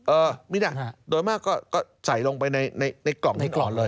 เออนี่แหละโดยมากก็ใส่ลงไปในกล่องฮิ้นอ่อนเลย